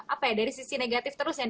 apa ya dari sisi negatif terus ya